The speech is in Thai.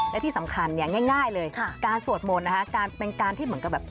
และที่สำคัญเนี่ยง่ายเลยการสวดมนต์นะคะการเป็นการที่เหมือนกับแบบ